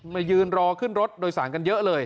มายืนรอขึ้นรถโดยสารกันเยอะเลย